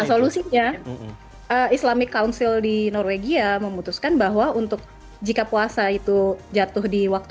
solusinya islamic council di norwegia memutuskan bahwa untuk jika puasa itu jatuh di waktu